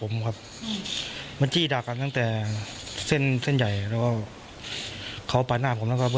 ผมครับมันจี้ด่ากันตั้งแต่เส้นเส้นใหญ่แล้วก็เขาปาดหน้าผมแล้วก็